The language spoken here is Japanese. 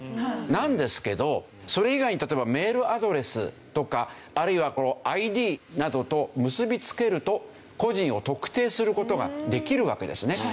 なんですけどそれ以外に例えばメールアドレスとかあるいはこのＩＤなどと結びつけると個人を特定する事ができるわけですね。